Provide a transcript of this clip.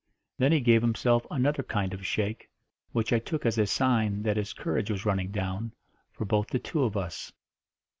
Then he gave himself another kind of shake, which I took as a sign that his courage was running down, 'for both the two of us.'